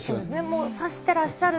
もう指してらっしゃる